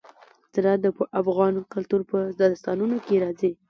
زراعت د افغان کلتور په داستانونو کې راځي.